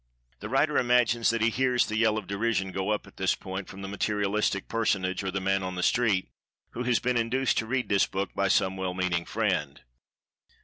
The writer imagines that he hears the yell of derision go up at this point from the materialistic personage, or "man on the street," who has been induced to read this book by some well meaning friend.